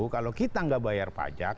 kalau kita nggak bayar pajak